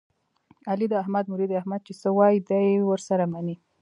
علي د احمد مرید دی، احمد چې څه وایي دی یې ور سره مني.